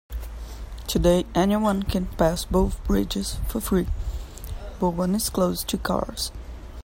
Today, anyone can pass both bridges for free, but one is closed to cars.